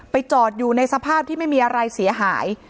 จอดอยู่ในสภาพที่ไม่มีอะไรเสียหาย